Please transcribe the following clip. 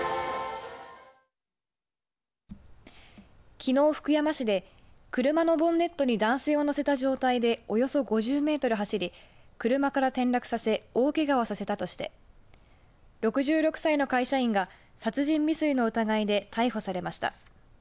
きのう福山市で車のボンネットに男性を乗せた状態でおよそ５０メートル走り車から転落させ大けがをさせたとして６６歳の会社員が殺人未遂の疑いで逮捕されました。